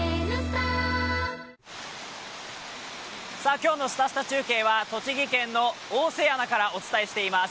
今日の「すたすた中継」は栃木県の大瀬やなからお伝えしています。